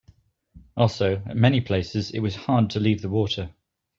Also, at many places it was hard to leave the water.